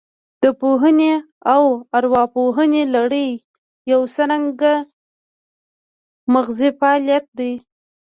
د پوهونې او راپوهونې لړۍ یو څرګند مغزي فعالیت دی